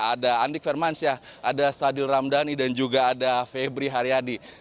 ada andik firmansyah ada sadil ramdhani dan juga ada febri haryadi